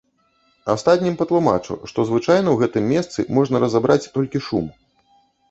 Астатнім патлумачу, што звычайна ў гэтым месцы можна разабраць толькі шум.